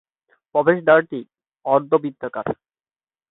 প্রবেশদ্বারটি অর্ধবৃত্তাকার।